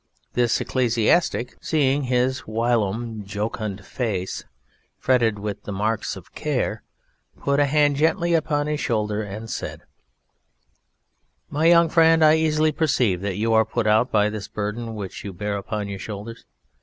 This Ecclesiastic, seeing his whilom jocund Face fretted with the Marks of Care, put a hand gently upon his shoulder and said: "My young friend, I easily perceive that you are put out by this Burden which you bear upon your shoulders.